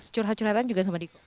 curhat curhatan juga sama di